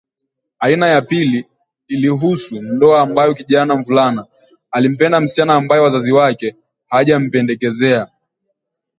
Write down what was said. Aina ya pili ilihuhusu ndoa ambayo kijana mvulana alimpenda msichana ambaye wazazi wake hajampendekezea